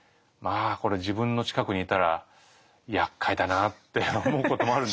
これ自分の近くにいたらやっかいだなって思うこともあるんですが。